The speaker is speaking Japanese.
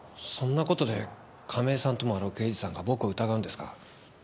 そんな事で亀井さんともあろう刑事さんが僕を疑うんですか？